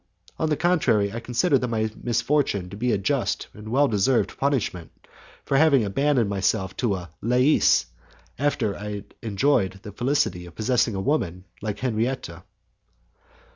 On the contrary, I considered that my misfortune to be a just and well deserved punishment for having abandoned myself to a Lais, after I had enjoyed the felicity of possessing a woman like Henriette.